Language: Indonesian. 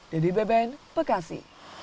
dedy beben bekasi